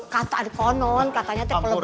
kata adik konon katanya teh kelebatan